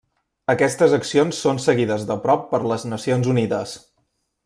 Aquestes accions són seguides de prop per les Nacions Unides.